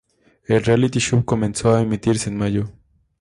El "reality show" comenzó a emitirse en mayo.